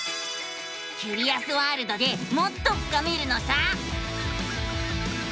キュリアスワールドでもっと深めるのさ！